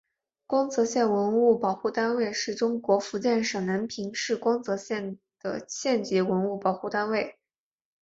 光泽县文物保护单位是中国福建省南平市光泽县的县级文物保护单位。